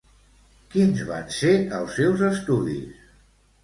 Quins van ser els seus estudis?